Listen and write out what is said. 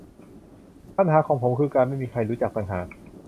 ปัญหาของผมคือการไม่มีใครรู้จักต่างหาก